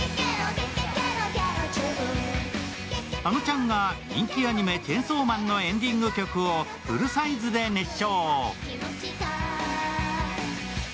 あのちゃんが人気アニメ「チェンソーマン」のエンディング曲をフルサイズで熱唱。